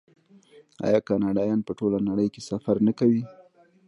آیا کاناډایان په ټوله نړۍ کې سفر نه کوي؟